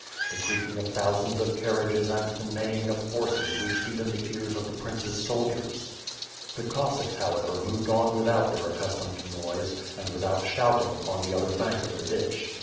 The creaking of thou sands of carriages and the neighing of horses reached even the ears of the princess soldiers. The Cossacks however moved on without their accustomed noise, and without shout ing, on the other bank of the ditch.